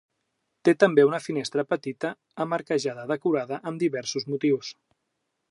Té també una finestra petita amb arquejada decorada amb diversos motius.